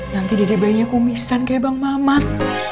nanti dede bayinya kumisan kayak bang mamat